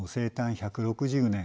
１６０年